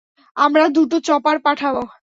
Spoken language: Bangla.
আমরা দুটো চপার পাঠাব।